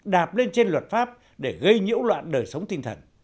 đạp lên trên luật pháp để gây nhiễu loạn đời sống tinh thần